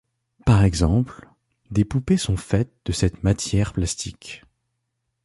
Par exemple, des poupées sont faites de cette matière plastique.